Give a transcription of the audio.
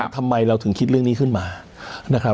ทำไมเราถึงคิดเรื่องนี้ขึ้นมา